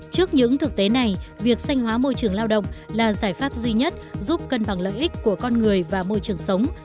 trước những thực tế này việc sanh hóa môi trường lao động là giải pháp duy nhất giúp cân bằng lợi ích của con người và môi trường sống